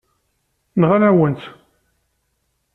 Nɣan-awen-tt.